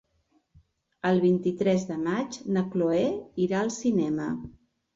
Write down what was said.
El vint-i-tres de maig na Cloè irà al cinema.